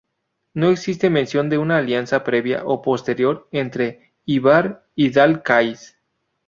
No existe mención de una alianza previa o posterior entre Ivar y Dál Cais.